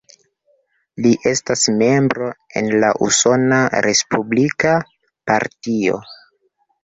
Li estas membro en la Usona respublika Partio.